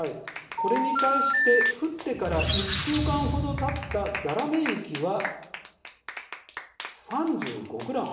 これに対して、降ってから１週間ほどたったざらめ雪は３５ｇ。